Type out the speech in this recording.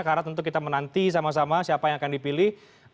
karena tentu kita menanti sama sama siapa yang akan dipilih